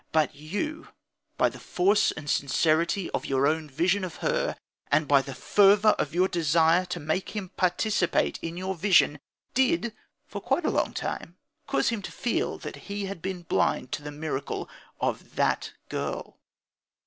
But you, by the force and sincerity of your own vision of her, and by the fervour of your desire to make him participate in your vision, did for quite a long time cause him to feel that he had been blind to the miracle of that girl.